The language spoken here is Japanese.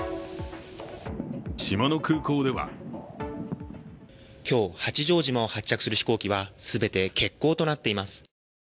島の空港では今日、八丈島を発着する飛行機は全て欠航となっています。